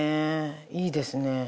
いいですね。